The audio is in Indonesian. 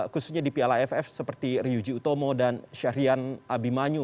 khususnya di piala aff seperti ryuji utomo dan syahrian abimanyu